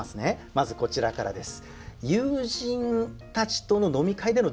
まずこちらからです。